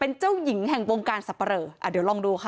เป็นเจ้าหญิงแห่งวงการสับปะเหลออ่าเดี๋ยวลองดูค่ะ